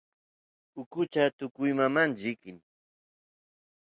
ukucha tukuymamanta llikin